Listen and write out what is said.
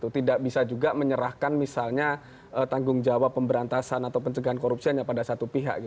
tidak bisa juga menyerahkan misalnya tanggung jawab pemberantasan atau pencegahan korupsi hanya pada satu pihak